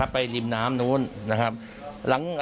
ไปริมน้ำนู้น